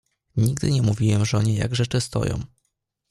"Nigdy nie mówiłem żonie jak rzeczy stoją."